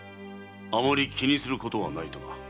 あまり気にすることはないとな。